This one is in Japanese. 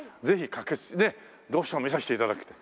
どうしても見させて頂きたい。